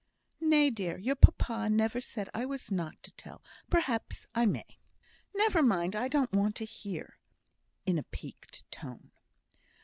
"Nay, dear! your papa never said I was not to tell; perhaps I may." "Never mind! I don't want to hear," in a piqued tone.